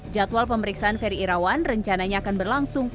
jadwal pemeriksaan ferry irawan rencananya akan berlangsung